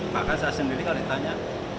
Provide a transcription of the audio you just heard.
bahkan saya sendiri kalau ditanya